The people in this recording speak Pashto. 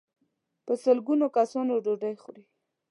په سل ګونو کسان ډوډۍ خوري.